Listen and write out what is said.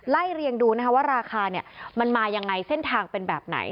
เรียงดูนะคะว่าราคามันมายังไงเส้นทางเป็นแบบไหน